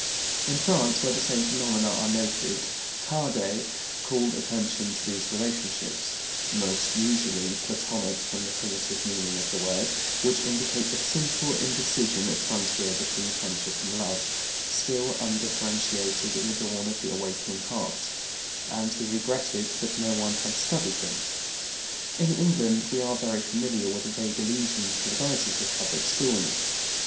In France, where the same phenomena are noted, Tarde called attention to these relationships, "most usually Platonic in the primitive meaning of the word, which indicate a simple indecision of frontier between friendship and love, still undifferentiated in the dawn of the awakening heart," and he regretted that no one had studied them. In England we are very familiar with vague allusions to the vices of public schools.